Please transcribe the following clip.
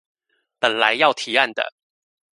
本來要提案的